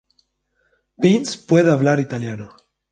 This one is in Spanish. Vince puede hablar Italiano.